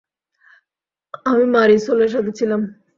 আমি মারিসোলের সাথে ছিলাম।